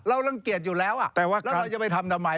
รังเกียจอยู่แล้วแล้วเราจะไปทำทำไม